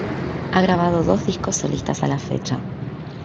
Ha grabado dos discos solistas a la fecha.